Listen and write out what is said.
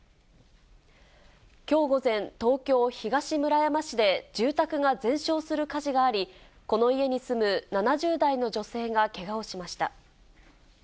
きょう午前、東京・東村山市で、住宅が全焼する火事があり、この家に住む７０代の女性がけがをしました。